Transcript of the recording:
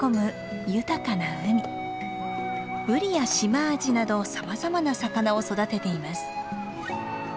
ブリやシマアジなどさまざまな魚を育てています。